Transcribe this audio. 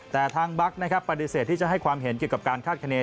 แต่ทางบั๊กนะครับปฏิเสธที่จะให้ความเห็นเกี่ยวกับการคาดคณี